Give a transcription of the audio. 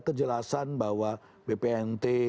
kejelasan bahwa bpnt